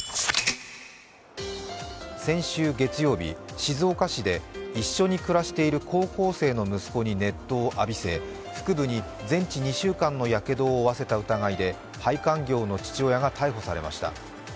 先週月曜日、静岡市で一緒に暮らしている高校生の息子に熱湯を浴びせ腹部に全治２週間のやけどを負わせた疑いで配管業の父親が逮捕されました。